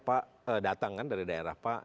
pak datang kan dari daerah pak